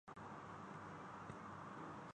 ہاں عورتیں مردوں ہی کی طرح ہیں